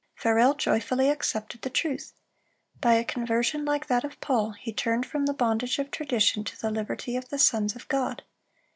(319) Farel joyfully accepted the truth. By a conversion like that of Paul, he turned from the bondage of tradition to the liberty of the sons of God.